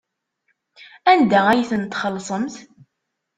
Anda ay ten-txellṣemt?